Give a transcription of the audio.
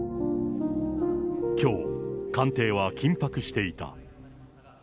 きょう、官邸は緊迫していた。